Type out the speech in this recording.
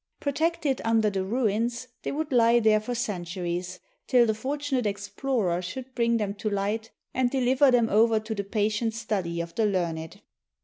Protected under the ruins, they would lie there for centuries, till the fortunate explorer should bring them to light and deliver them over to the patient study of the learned.